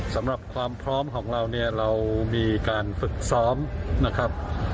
สำหรับความพร้อมของเราเนี่ยเรามีการฝึกซ้อมนะครับ